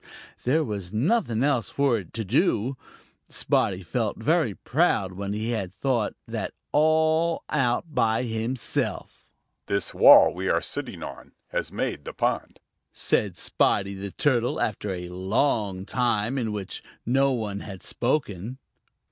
There was nothing else for it to do. Spotty felt very proud when he had thought that out all by himself. "This wall we are sitting on has made the pond," said Spotty the Turtle, after a long time in which no one had spoken.